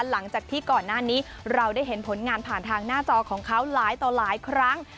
หลังจากที่ก่อนหน้านี้เราได้เห็นผลงานผ่านทางหน้าจอของเขาหลายต่อหลายครั้ง